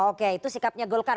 oke itu sikapnya golkar